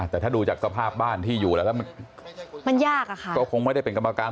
แต่ถ้าดูจากสภาพบ้านที่อย่างนั้น